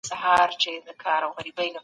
هوایي چلند هم د پراختیا په حال کي دی.